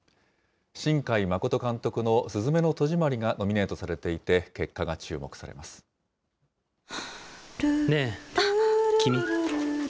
新海誠監督のすずめの戸締まりがノミネートされていて、結果が注ねぇ、君。